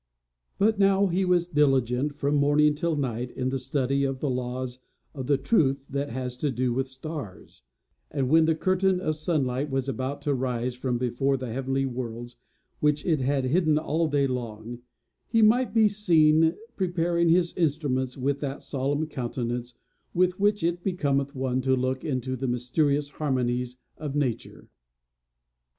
But now he was diligent from morning till night in the study of the laws of the truth that has to do with stars; and when the curtain of the sunlight was about to rise from before the heavenly worlds which it had hidden all day long, he might be seen preparing his instruments with that solemn countenance with which it becometh one to look into the mysterious harmonies of Nature.